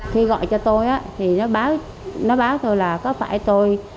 khi gọi cho tôi nó báo tôi là có phải tôi